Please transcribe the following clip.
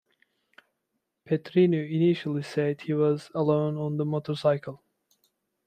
Petrino initially said he was alone on the motorcycle.